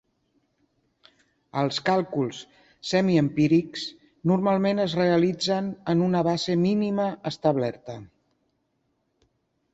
Els càlculs semiempírics normalment es realitzen en una base mínima establerta.